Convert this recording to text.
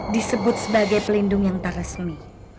disebut sebagai pelindung yang tak resmi